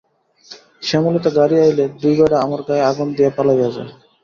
শ্যামলীতে গাড়ি আইলে দুই ব্যাডা আমার গায়ে আগুন দিয়া পালাইয়া যায়।